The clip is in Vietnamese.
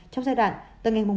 trong giai đoạn từ ngày một một